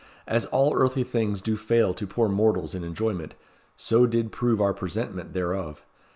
as all earthly things do fail to poor mortals in enjoyment, so did prove our presentment thereof.